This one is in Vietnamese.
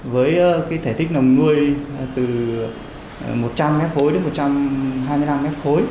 với cái thể tích nồng nuôi từ một trăm linh m ba đến một trăm hai mươi năm m ba